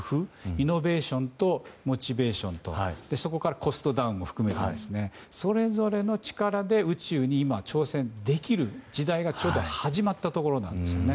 イノベーションとモチベーションとそこからコストダウンも含めてそれぞれの力で宇宙に今は挑戦できる時代がちょうど始まったところなんですよね。